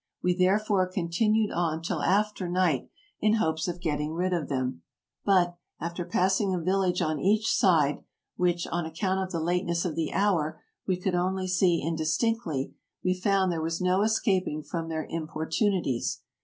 We therefore continued on till after night, in AMERICA 151 hopes of getting rid of them; but, after passing a village on each side, which, on account of the lateness of the hour we could only see indistinctly, we found there was no escaping from their importunities.